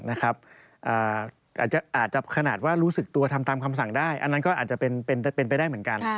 อาจจะขนาดว่ารู้สึกตัวทำตามคำสั่งได้อันนั้นก็อาจจะเป็นไปได้เหมือนกัน